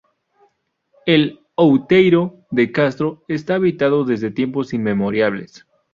El Outeiro de Castro está habitado desde tiempos inmemoriales.